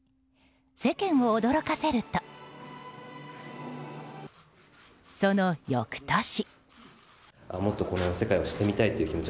世間を驚かせるとその翌年。